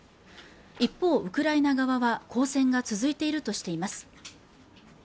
一方ウクライナ側は抗戦が続いているとしています